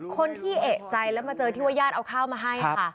คนที่เอกใจแล้วมาเจอที่ว่าญาติเอาข้าวมาให้ค่ะ